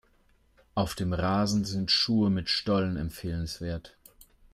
Auf dem Rasen sind Schuhe mit Stollen empfehlenswert.